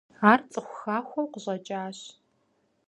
Ар цӏыху хахуэу къыщӏэкӏащ.